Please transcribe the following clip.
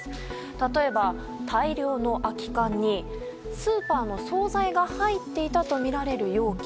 例えば、大量の空き缶にスーパーの総菜が入っていたとみられる容器